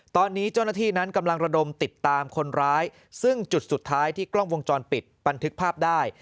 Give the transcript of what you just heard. ตอนนี้เจ้าหน้าที่นั้นกำลังระดมติดตามคนร้ายซึ่งจุดสุดท้ายที่กล้องวงจรปิดบันทึกภาพได้